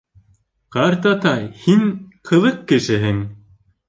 — Ҡартатай, һин ҡыҙыҡ кешеһең.